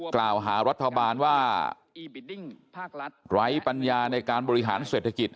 กล่าวหารัฐบาลว่าไร้ปัญญาในการบริหารเศรษฐกิจ